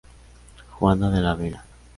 Juana de la Vega.